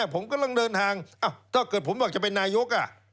ผมกำลังเดินทางถ้าเกิดผมบอกจะเป็นนายก